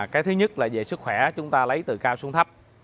cái thứ nhất là về sức khỏe chúng ta lấy từ cao xuống thấp